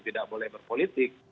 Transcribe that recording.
tidak boleh berpolitik